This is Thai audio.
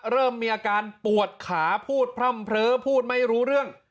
เริ่มมีอาการปวดขาพูดพร่ำเพลอพูดไม่รู้เรื่อง